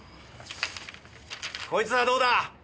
こいつはどうだ？